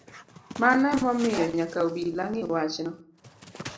Mano emomiyo nyaka obila ng’I wachno